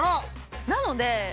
なので私